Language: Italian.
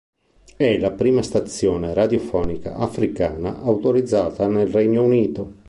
È la prima stazione radiofonica africana autorizzata nel Regno Unito.